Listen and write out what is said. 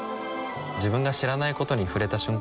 自分が知らないことに触れた瞬間